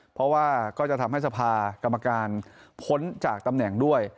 เพราะว่าก็จะทำให้สภากรรมการพ้นจากตำแหน่งด้วย